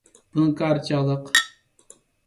بۇنىڭ كارى چاغلىق.